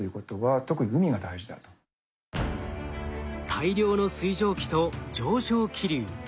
大量の水蒸気と上昇気流。